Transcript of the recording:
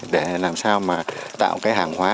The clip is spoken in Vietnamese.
để làm sao tạo hàng hóa